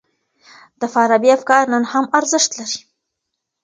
د فارابي افکار نن هم ارزښت لري.